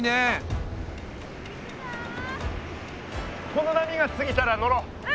この波がすぎたら乗ろう。